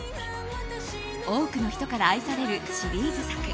多くの人から愛されるシリーズ作。